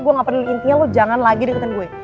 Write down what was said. gue gak peduli intinya lo jangan lagi deketin gue